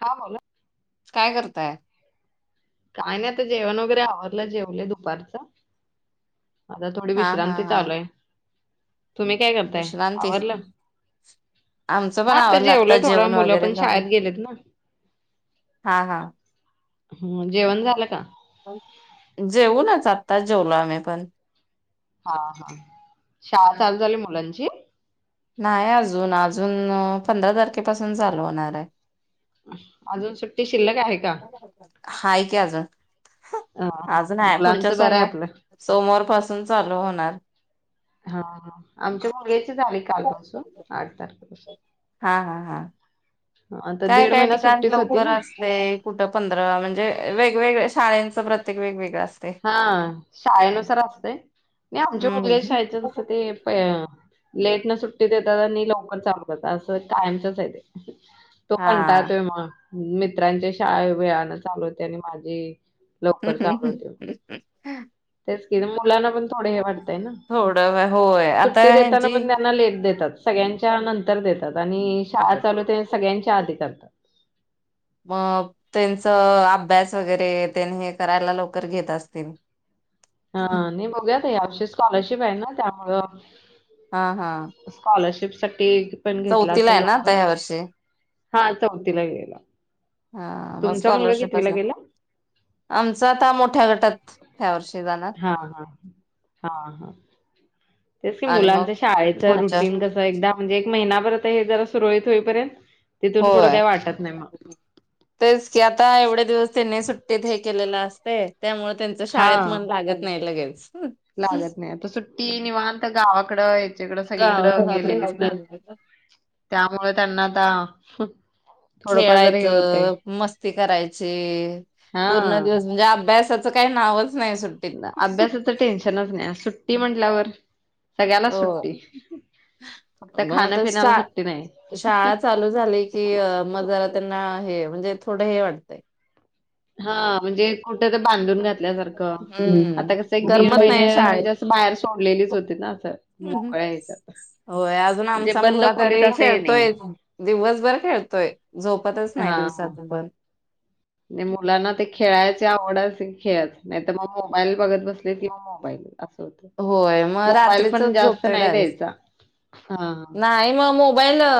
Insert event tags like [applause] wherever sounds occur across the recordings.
हा बोला काय करताय काय नाही आता जेवण वगैरे आवरलं जेवले दुपारचं आता थोडी हा हा विश्रांती हा चालू आहे तुम्ही काय करताय? विश्रांती आवरलं? आमचं हा पण आवरल आता जेवलंय च थोडं जेवण मुलं वगैरे पण झालं शाळेत गेलेत ना. हा, हा म जेवण झालं का? जेऊनच आताच जेवलो आम्ही पण हा, हा शाळा चालू झाली मुलांची नाही अजून, अजून पंधरा तारखेपासून चालू होणार आहे अजून सुट्टी शिल्लक आहे का? हाय की अजून अ आजून आहे पुढच्या मुलांचं बरं सोम आहे आपलं. सोमवार पासून चालू होणार हा ह आमच्या मुलग्याची झाली कालपासून आठ तारखेपासून हा, हा, हा आता काय दीड काय महिना ठिकाणी सुट्टीच होती लवकर ना. असतय कुठं पंधरा म्हणजे वेगवेगळ शाळेंचं प्रत्येक वेगवेगळं असतय हा शाळेनुसार असतंय नाही आमच्या हम्म मुलग्याच शाळेच तसं ते प लेट न सुट्टीत देतात आणि लवकर चालू करतात असं कायमचच आहे ते तो हा कंटाळतोय मग मित्रांच्या शाळे वेळान चालू होते आणि माझी लवकर चालू होते तेच कि मुलांना पण थोडे हे वाटतय ना थोडं होय आता सुट्टी देताना ह्यांची पण त्यांना लेट देतात सगळ्यांच्या नंतर देतात आणि शाळा चालू ते सगळ्यांच्या आधी देतात मग त्यांच अभ्यास वगैरे तेन हे करायला लवकर घेत असतील हा नाही बघू या वर्षी स्कॉलरशिप आहे ना त्यामुळं हा, हा स्कॉलरशिपसाठी पण घेतला चौथीला असेल आहे ना आता लवकर ह्या वर्षी हा चौथीला गेला हा मग तुमचा मुलगा स्कॉलरशिप कितवीला असलं गेला? आमचा आता मोठ्या गटात ह्या वर्षी जाणार हा ह, हा ह तेस की आणि मग मुलांच शाळेच पुढच्या रुटीन कस एकदा म्हणजे एक महिनापर्यंत हे जरा सुरळीत होईपर्यंत तिथून पुढं होय काही वाटत नाही मग. तेच की आता एवढे दिवस त्यांनी सुट्टीत हे केलेलं असते त्यामुळे त्यांच शाळेत हां. मन लागत नाही लगेच लागत नाही आता सुट्टी निवांत गावाकडं तीकड सगळीकड गावा- हा, तेच गेलेलीत ना की. त्यामुळे त्यांना आता हं खेळायचं मस्ती करायची पूर्ण हां. दिवस म्हणजे अभ्यासच च काय नावच नाय सुट् अभ्यासाच टेन्शनच नाय आज सुट्टी म्हटल्यावर सगळ्यालाच सुट्टी हो. [unintelligible] मग खाणं आता शा पिण्याला सुट्टी नाही. शाळा चालू झाली की म जरा त्यांना हे म्हणजे थोड हे वाट हा म्हणजे कुठं ते बांधून घातल्यासारखं हम्म हम्म, आता कसं आपण एक दीड करमत नाही महिने पहिली शाळेत. म्हणजे असं बाहेर सोडलेलीच होती ना असं मोकळ यायच होय अजून आमचा मुलगा तरी नाही. खेळतोयच दिवसभर खेळतोय. झोपतच नाय दिवसाच पण नाय मुलांना ते खेळायची आवड असली की खेळत नाय त म मोबाईल बघत बसले की म मोबाईल अस होय मग मोबाईल पण रात्रीचच जास्त झोपतोय नाय डायरेक्ट. द्यायचा. हां, हां. नाही म मोबाईल अ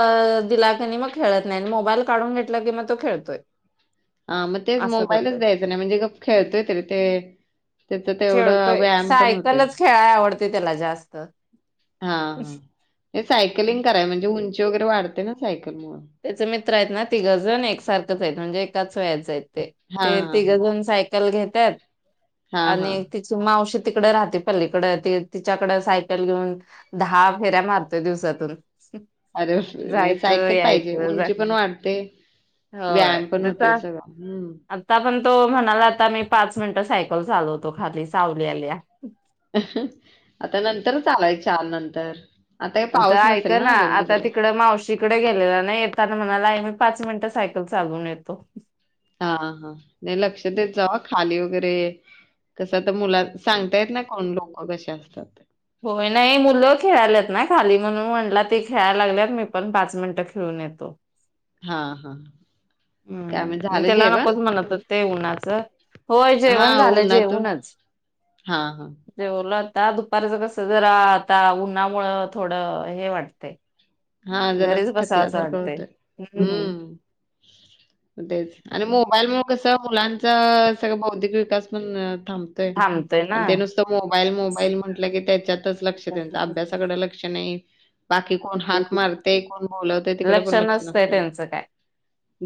दिला की नाय म खेळत नाय मोबाईल काढून घेतला की म तो खेळतोय. हा म तेच असं मोबाईलच करतोय द्यायचं नाय म्हणजे गप खेळतोय तरी ते त्याचा तेवढं खेळतोय व्यायाम पण होतोय. सायकलच खेळाय आवडते त्याला जास्त हा हा हे सायकलिंग कराय म्हणजे उंची वगैरे वाढते ना सायकल मुळ त्याच मित्र आहेत ना तिघंजण एकसारखंच आहेत म्हणजे एकाच वयाच आहेत ते ते हां, हां. तिघंजण साय कल घेत्यात हां, आणि हां. तीत तु मावशी तिकड राहते पलीकड ते तिच्याकड सायकल घेऊन दहा फेऱ्या मारतोय दिवसातून अरे बाप रे! नाहय जायचं सायकल पाहिजे यायचं उंची पण जायचं वाढते होय व्यायाम पण होतोय त्याचा सगळां हम्म आता पण तो म्हणाला आता मी पाच मिनटं सायकल चालवतो खाली सावली आलीया. आता नंतर चालाय चार नंतर हे आता पाऊस ऐक नसेल ना अजून आता तिकडे? तिकड मावशी तिकडे गेलेला नाही येताना म्हणाला आई मी पाच मिनटं सायकल चालवून येतो. हा हा नाही लक्ष देत जावा हा खाली वगैरे कसं आता मुला सांगतायेत नाय कोण लोक कशी असतात ते होय नाही मुलं खेळाल्यात ना खाली म्हणून म्हणला ते खेळाय लागल्यात मी पण पाच मिनिटं खेळून येतो. हा हा हम्म त्याला नकोच म्हणत होते उन्हाचं होय जेवण झालं जेवूनच हा हा जेवलो आता दुपारच कस जरा आता उन्हामुळं थोडं हे वाटतय हा जरा थकल्यासारखं होतंय हम्म तेच आणि मोबाईल मूळ कस मुलांच सगळं बौद्धिक विकास पण थांब थांबतय आणि ते नुसतं मोबाईल मोबाईल म्हटलं की त्याच्यातच लक्ष त्यांचं अभ्यासाकड लक्ष नाही बाकी कोण हाक मारतय कोण बोलावतय तिकड पण लक्ष नसतंय नसतय त्यांच त्यांचं काय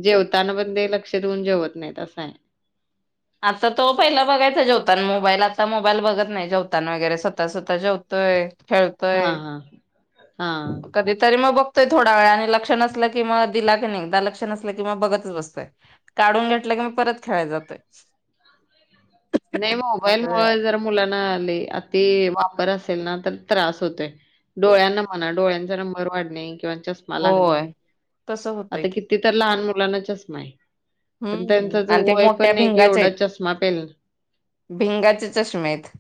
जेवताना पण ते लक्ष देऊन जेवत नाहीत असं हाय आता तो पहिला बघायचा जेवताना मोबाईल आता मोबाईल बघत नाही जेताना वगैरे स्वतः स्वतः जेव तोय खेळ हा हा हा कधी तरी मग बघतोय थोडा वळा आणि लक्ष नसल की मग दिला की नाही एकदा लक्ष नसलं कि मग बघतच बसतोय. काढून घेतलं की मी परत खेळाय जातोय. ह [unintelligible] नाही मोबाईल असं मुळ जर मुलांना लय अति वापर असेल ना तर त्रास होतोय. डोळ्यांना म्हणा डोळ्यांचा नंबर वाढणे किंवा चष्मा लागणे होय तसं होतंय आता की किती? तर लहान मुलांना चष्मा आहे कारण त्यांचा हम्म. ज आणि ते वय पण मोठ्या नाही की भिंगाच्या एवढा आहेत चष्मा पेलन भिंगाचे चष्मे आहेत.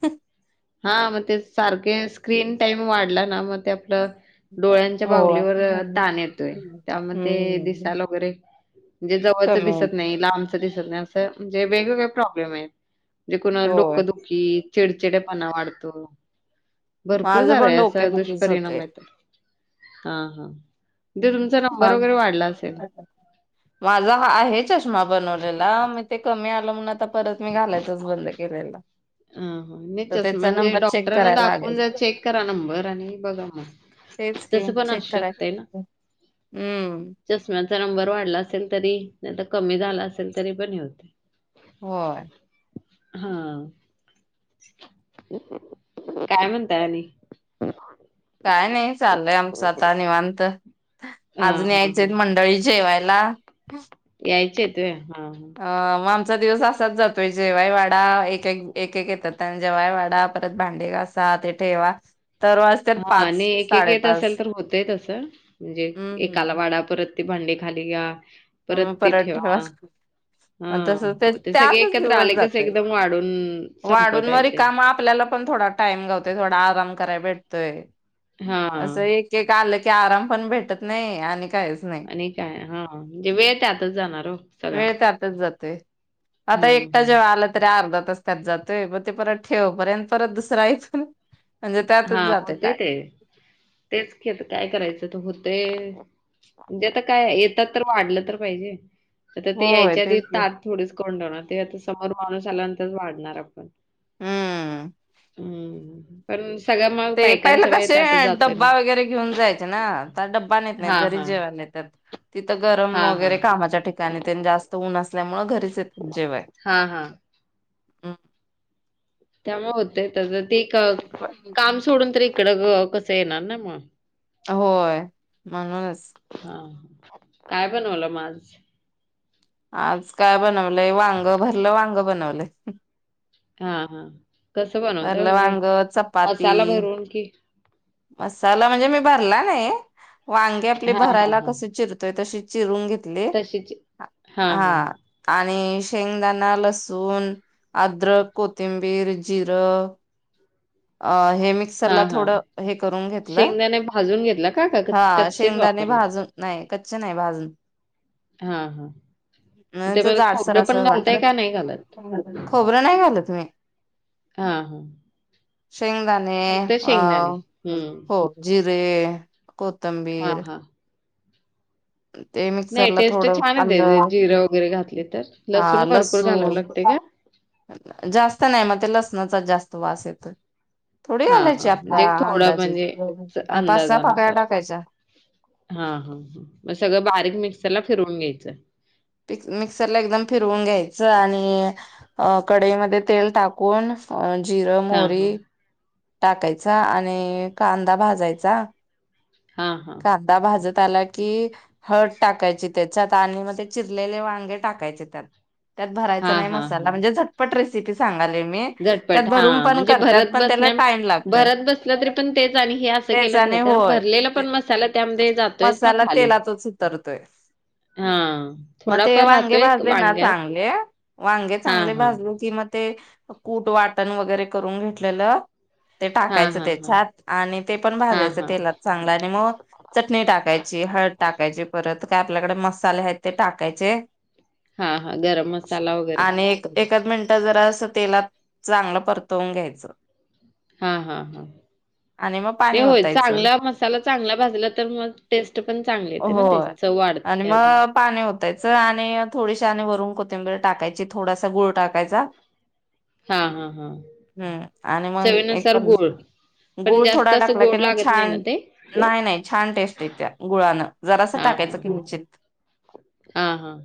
हा मग ते सारखे स्क्रीन टाइम वाढला ना मग ते आपलं डोळ्यांच्या होय. बाहुलीवर ताण येतोय हम्म त्यामध्ये हम्म दिसाल वगैरे म्हणजे जवळच कमी दिसत आहे. नाही लांबचं दिसत नाही असं म्हणजे वेगवेगळे प्रॉब्लेम आहेत. म्हणजे कोणाला होय डोकं दुखी चचेडचिडे्यापणा वाढतो. भरपूर माझं पण झालाय असचा डोकेदुखीच दुष्परिणाम होते. आहे तर हा हा तो तुमचा नंबर माल वगैरे वाढला असेल. माझा हा आहे चष्मा बनवलेला मी ते कमी आलं म्हण आता परत मी घालायचंच बंद केले. [unintelligible] ह नच म्हणजे चेक डॉक्टरांना करायला दाखवून लागेल. जा चेक करा नंबर आणि बघा मग तेच की तस पण चेक असू करायच शकतय ना. हम्म चष्म्याचा नंबर वाढला असेल तरी नाही तर कमी झाला असेल तरी पण हे होते. होय. हा काय म्हणताय आणि? काय नाही चाललंय आमचं आता निवांत हा आजून हा यायच मंडळी. जेवायला. यायचेे आहेत होय. अ मग आमचा दिवस असाच जातोय जेव्हाय वाडा एक एक एक येतात आणि जेव्हाय वाडा परत भांडी घासा. सहा ते ठेवा तर हा पाच आणि एक एक येत साडेपाच असेल तर होतय असं म्हणजे एकाला हम्म वाडा परत भांडे खाली या परत ते ठेवा. तस हा ते सगळे त्यातच एकत्र आले दिवस कच जातोय एकदम वाढून वाढून संपत व्हा आहे ते. रिकाम आपल्याला पण थोडा टाइम गावतोय थोडा आराम कराय भेटतोय. हा असं एक एक आलं की आराम पण भेटत नाही आणि कायच. आणि काय हा म्हणजे वेळ त्यातच जाणार हो सगळा आताच जातोय हम्म एकटा जेव्हा हम्म आलात. अर्धा तास त्यात जातोय ब ते परत ठेवपर्यंत परत दुसरा आहे पण म्हणजे त्यातच हा जाते होते टाईम. ते तेच खेत काय करायचं होते? म्हणजे आता काय येतात तर वाढलं तर पाहिजे. आता ते होय यायच्या आधी तेच की ताट थोडीच करून ठेवणार ते आता समोर माणूस आल्यानंतरच वाढणार आपण हम्म हम्म पण सगळ्या मग ते बायकांचा पहिलं वेळ कसे त्यातच जातोय ना. डब्बा वगैरे घेऊन जायचे ना तर डब्बा नेत नाहीत हां, घरीच हां, जेवाय येतात. तिथं गरम हां, हां, वगैरे कामाच्या ठिकाणी तेन जास्त ऊन असल्यामुळे घरीच येतात जेवाय हा हा हम्म. त्यामुळे होते ते पण काम सोडून तर इकडं कसं येणार ना मग होय म्हणूनच. हा, काय बनवलं मग माझ. आज काय बनवलंय, वांग भरलं वांग बनवलंय. हा-हा कस बनवतय भरलं म्हणजे वांग, चपाती, मसाला भरून कि मसाला म्हणजे मी भरला नाही. वांगे आपली हां, हां, भरायला हां. कस चिरत त तशीची रूम घेतली. तशीच हां, हां, हा. आणि शेंगदाणा, लसण, अद्रक, कोथिंबीर, जिरं. अ हे मी मिक्सर हां, ला हां. थोड हे करून घेतलं. शेंगदाणे भाजून घेतला का? का हा कच कच्चेच शेंगदाने वापरला? भाजून नाही, कच्चे नाही, भाजून. हम्म, हा. हम्म, जाडसर अस वाटत, का नाही घालत? खोबरं नाही घाल मी. हा. शेंगदाणे अ, शेंगदाणे. हं. हो जिरे, हां, कोथंबीर. हां. ते नाही मिक्सरला टेस्ट थोडं, छान येते आलं जिरं वगैरे घातली तर. हा लसूण भरपूर घालावं लसूण. लागते का? जास्त नाही मग ते लसणाचा जास्त वास येतो. थोडी हां, घालायची हां. म्हणजे आपल्या थोडं अंदाजी म्हणजे च पाच-सहा पाकळ्या टाकायच्या. हा-हा, मग सगळं बारीक मिक्सरला फिरवून घ्यायचं. मी मिक्सर ला एकदम फिरवून घ्यायचं आणि कढईमध्ये तेल टाक कोण जिरं, हां, हां. मोरी. टाकायचा आणि कांदा भाजायचा हा-हा. ता भाजत आला की. हट टाकायची तेच्याच आणि मग ते चिरलेले वांगे टाकायचे त्यात. त्यात भरायचा हां, नाही हां, मसाला, हां. म्हणजे झ पट रेसिपी सांगालोय मी, झटपट त्यात भरून हां, पण म्हणजे करत भरत पण त्याला बसण्या टाइम लागतोय. भरत बसलं तरी पण तेच आणि हे असं चेच केलं तर आणि कारण होय. भरलेला ते, पण मसाला त्यामध्ये जातोयच ना मसाला खाली. तेलाचाच उतरतोय. हां, मग ते थोडाफार वांगे राहतोय भाजले ना वांग्यात. चांगले, वांगे हां, चांगले हां. भाजलो कि मग ते कूट वाटण वगैरे करून घेतलेलं, ते हां, टाकायच हां, हां. त्याच्यात आणि ते पण हां, भाजायच हां. तेलात चांगला आणि मग चटणी टाकायची, हळद टाकायची, परत काय आपल्याकडे मसाले आहेत ते टाकायचे. हां, हां. गरम मसाला वगैरे. आणि एकाच मिनिटात जरा अस तेलात चांगलं परतवून घ्यायचं. हा-हा-हा आणि मग नाही पाणी होय ओतायचं चांगलं मस मसाला चांगला भाजला तर मग टेस्ट पण चांगली येते ना ते होय चव आणि वाढते अजून. मग पाणी ओतायच आणि थोडीशी आणि वरून कोथंबर टाकायची थोडासा गुळ टाकाय चा हां, हां, हां. हम आणि मग एक चवीनुसार पण गूळ पण गुळ जास्त थोडा असं टाकला की गोड नाही, लागत ना छान ते? नाही-नाही छान टेस्ट येत्या गुळानं. जरा सा हां, टाकायचं हां, की हां. निचित. हां, हां.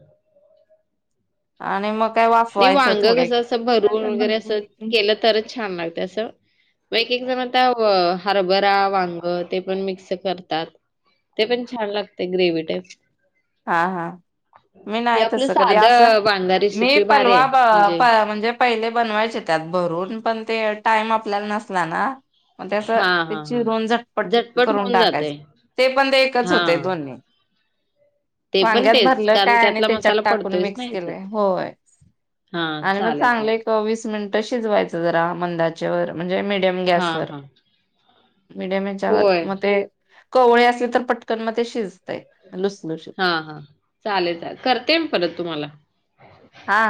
आणि मग काय वा नाही वांग कसं असं भरून वगैरे असं केलं तरच छान लागते असं. मग एक-एक जण आता हरभरा वांग ते पण मिक्स करतात. ते पण छान लागते ग्रेव ट हा हा मी नाही, तस आपलं कधीं साधं वांगा मी रेसिपी भारी पलवा आहे म्हणजे म्हणजे पहिले बनवायचे, त्यात भरून पण ते टाईम आपल्याला नसला ना मग त्या हा हा त्या हा. चिरून झटपट, करून होऊन जाते टाकायचं ते पण ते एकच हा. होते दोन्ही ते पण वांग्यात तेच भरलं कारण काय आणि त्यातला त्याच्यात मसाला टाकून, पडतोयच ना मिक्स ह्याच्यात. केलंय होय हा आणि मग चालेल चांगलं चालेल एक वीस मिनट शिजवायचं, जरा मंदाच्या व म्हणजे मिडयम हा गॅसवर हा मीडियम याच्यावर होय मग ते कवळे असले, तर पटकन म ते शिजतय लुसलु श हा हा चालेल चा करते परत तुम्हाला हा